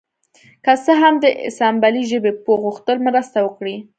که څه هم د اسامبلۍ ژبې پوه غوښتل مرسته وکړي